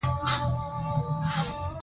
د پلار زحمت د عزت بنسټ دی.